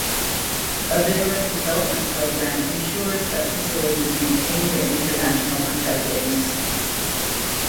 A vigorous development programme ensures that facilities maintain their international competitiveness.